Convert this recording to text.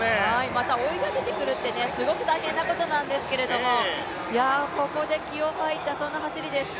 また追い上げてくるって、すごく大変なことなんですけれども、ここで気を吐いた、そんな走りです。